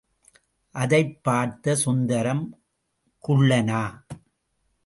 அதைப் பார்த்த சுந்தரம், குள்ளனா!